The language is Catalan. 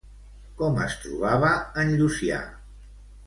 Com es trobava en Llucià?